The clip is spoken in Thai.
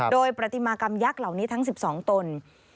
โดยปฏิมากรรมยักษ์เหล่านี้ทั้ง๑๒ตน